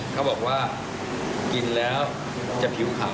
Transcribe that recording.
เขาบอกว่ากินแล้วจะผิวขาว